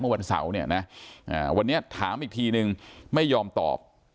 เมื่อวันเสาร์เนี่ยนะอ่าวันเนี่ยถามอีกทีหนึ่งไม่ยอมตอบ